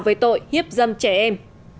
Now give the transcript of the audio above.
với tội hiếp dâm trẻ em